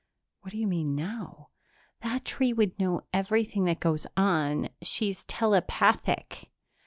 "What do you mean now?" "That tree would know everything that goes on. She's telepathic."